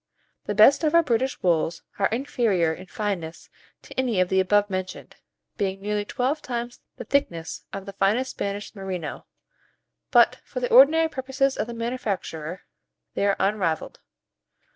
The best of our British wools are inferior in fineness to any of the above mentioned, being nearly twelve times the thickness of the finest Spanish merino; but for the ordinary purposes of the manufacturer, they are unrivalled.